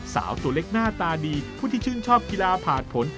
สาวตัวเล็กหน้าตาดีผู้ที่ชื่นชอบกีฬาผ่านผล